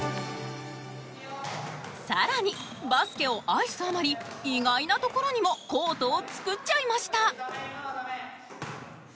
更にバスケを愛すあまり意外な所にもコートを造っちゃいました。